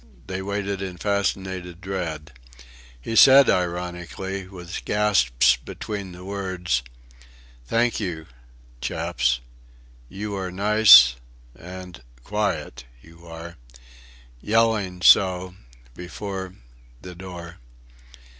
They waited in fascinated dread. He said ironically, with gasps between the words: "Thank you... chaps. You... are nice... and... quiet... you are! Yelling so... before... the door...."